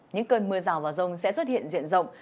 những cơn mưa rào vào rồng sẽ xuất hiện diện rộng